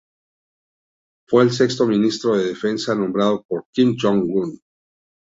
Fue el sexto ministro de defensa nombrado por Kim Jong-un.